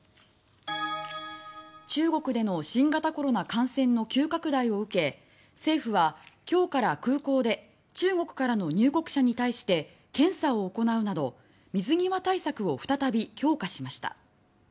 中国での新型コロナ感染の急拡大を受け政府は、今日から空港で中国からの入国者に対して検査を行うなど水際対策を再び強化しました。